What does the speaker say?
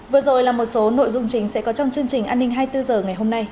vừa rồi là một số nội dung chính sẽ có trong chương trình an ninh hai mươi bốn h ngày hôm nay